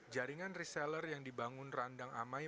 jaringan reseller yang dibangun randang amai